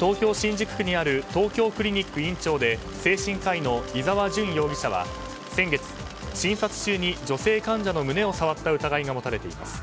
東京・新宿区にある東京クリニック院長で精神科医の伊沢純容疑者は先月診察中に女性患者の胸を触った疑いが持たれています。